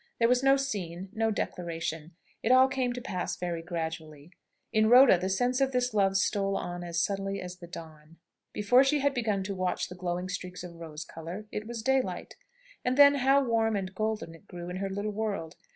There was no scene, no declaration. It all came to pass very gradually. In Rhoda the sense of this love stole on as subtly as the dawn. Before she had begun to watch the glowing streaks of rose colour, it was daylight! And then how warm and golden it grew in her little world!